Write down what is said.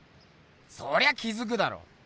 そりゃ気づくだろ！